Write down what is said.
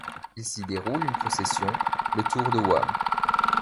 Il s'y déroule une procession, le Tour de Wasmes.